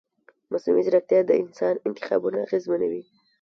مصنوعي ځیرکتیا د انسان انتخابونه اغېزمنوي.